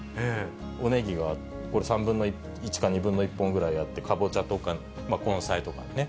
おネギがこれ３分の１か、２分の１ぐらいあって、カボチャとか根菜とかね。